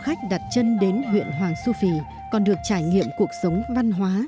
du khách đặt chân đến huyện hoàng su phi còn được trải nghiệm cuộc sống văn hóa